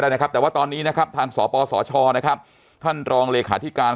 แล้วนะครับแต่ว่าตอนนี้นะครับทางสปสชนะครับท่านรองเลขาธิการ